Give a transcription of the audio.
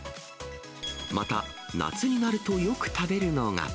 また夏になるとよく食べるのが。